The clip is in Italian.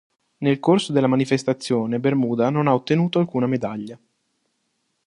Nel corso della manifestazione Bermuda non ha ottenuto alcuna medaglia.